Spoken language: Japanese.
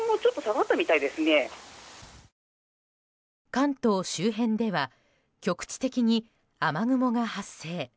関東周辺では局地的に雨雲が発生。